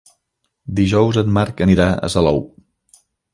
Dijous en Marc anirà a Salou.